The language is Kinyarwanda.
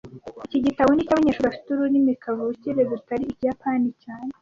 Iki gitabo ni icy'abanyeshuri bafite ururimi kavukire rutari Ikiyapani cyane